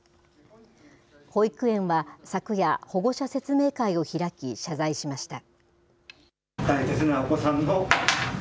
保育園は昨夜、保護者説明会を開き、謝罪しました。